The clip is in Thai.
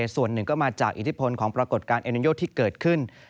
ส่วนหนึ่งก็มาจากอิทธิพลของปรากฏการณโยที่เกิดขึ้น